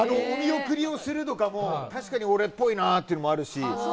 お見送りをするとかも確かに俺っぽいなっていうのもあるし。